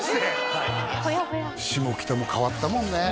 はい下北も変わったもんね